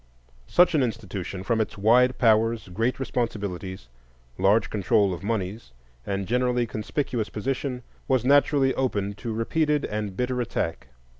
Such an institution, from its wide powers, great responsibilities, large control of moneys, and generally conspicuous position, was naturally open to repeated and bitter attack.